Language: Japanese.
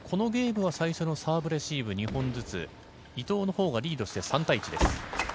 最初のサーブ・レシーブ２本ずつ、伊藤のほうがリードして３対１です。